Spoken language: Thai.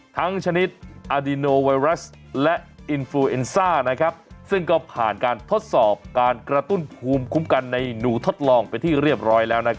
ชนิดอาดิโนไวรัสและอินฟูเอ็นซ่าซึ่งก็ผ่านการทดสอบการกระตุ้นภูมิคุ้มกันในหนูทดลองเป็นที่เรียบร้อยแล้ว